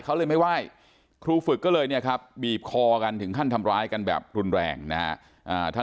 เขาเลยไม่ไหว้ครูฝึกก็เลยเนี่ยครับบีบคอกันถึงขั้นทำร้ายกันแบบรุนแรงนะฮะ